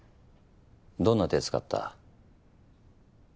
どんな手使った？